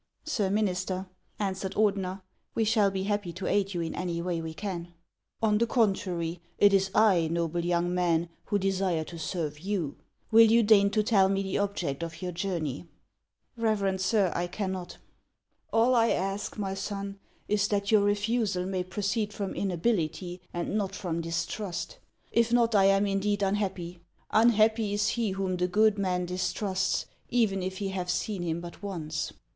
''" Sir minister," answered Ordener, " we shall be happy to aid you in any way we can." " On the contrary, it is I, noble young man, who desire to serve you. AVill you deign to tell me the object of your journey ?"" Eeverend sir, I cannot." " All I ask, my son, is that your refusal may proceed from inability, and not from distrust. If not, I am indeed unhappy ! Unhappy is he whom the good man distrusts, even if he have seen him but once